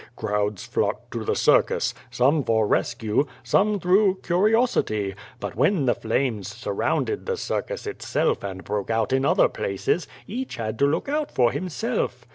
Crowds flocked to the circus, some for rescue, some througli curiosity, but when the flames surrounded tlie circus itself and broke out in other places, each had to look out for himself."